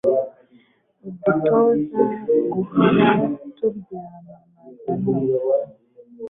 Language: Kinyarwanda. udutoza guhora tubyamamaza no